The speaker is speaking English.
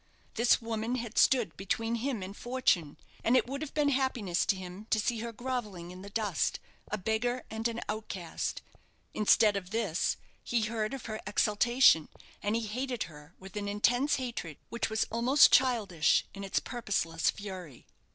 This woman had stood between him and fortune, and it would have been happiness to him to see her grovelling in the dust, a beggar and an outcast. Instead of this, he heard of her exaltation, and he hated her with an intense hatred which was almost childish in its purposeless fury.